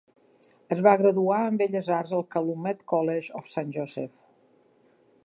Es va graduar en Belles Arts al Calumet College of Saint Joseph.